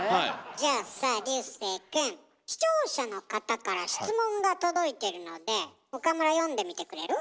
じゃあさ竜星くん視聴者の方から質問が届いてるので岡村読んでみてくれる？